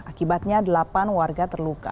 akibatnya delapan warga terluka